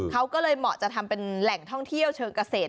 เขาก็ระเทศใช้เป็นแหล่งท่องเที่ยวเชิงเกษตร